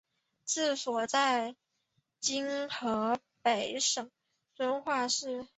治所在今河北省遵化市。